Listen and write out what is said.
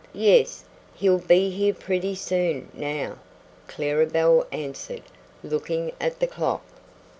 "Yes; he'll be here pretty soon, now," Clara Belle answered, looking at the clock.